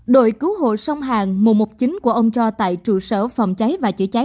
đội cứu hộ sông hàn mùa một chính của ông cho tại trụ sở phòng cháy và chữa cháy